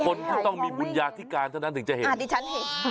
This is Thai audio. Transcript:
คนต้องมีบุญญาณที่การเท่านั้นถึงจะเห็น